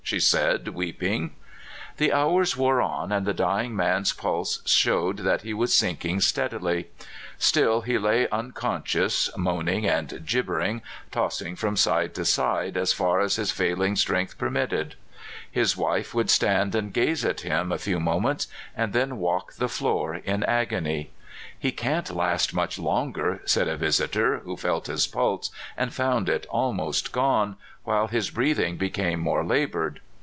" she said weeping. The hours wore on, and the dying man's pulse showed that he was sinking steadily. Still he lay unconscious, moaning and gibbering, tossing from side to side as far as his failing strength permitted. His wife would stand and gaze at him a few mo ments, and then walk the floor in agony. " He can't last much longer," said a visitor, who felt his pulse and found it almost gone, while his breathing became more labored.